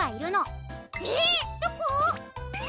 えっどこ？